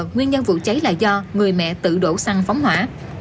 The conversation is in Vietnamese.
nguyên nhân vụ cháy là do người mẹ tự đổ xăng phóng hỏa